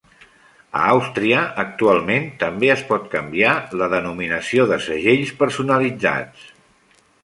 A Àustria, actualment també es pot canviar la denominació de segells personalitzats.